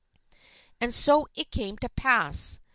And so it came to pass.